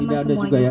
tidak ada juga ya